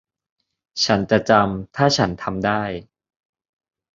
ฉันจะจำ ถ้าฉันทำได้